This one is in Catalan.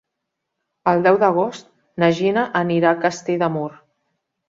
El deu d'agost na Gina anirà a Castell de Mur.